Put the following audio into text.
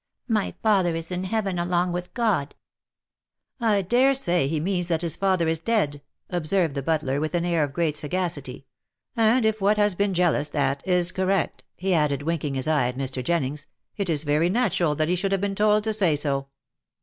" My father is in heaven along with God." ", I dare say he means that his father is dead," observed the butler with an air of great sagacity ;" and if what has been jealoused at is correct," he added, winking his eye at Mr. Jennings, " it is very natural that he should have been told to say so."